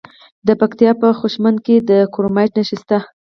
د پکتیکا په خوشامند کې د کرومایټ نښې شته.